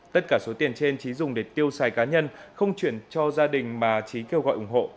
tất cả số tiền trên trí dùng để tiêu xài cá nhân không chuyển cho gia đình mà trí kêu gọi ủng hộ